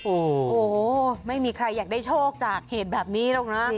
โอ้โหไม่มีใครอยากได้โชคจากเหตุแบบนี้หรอกนะ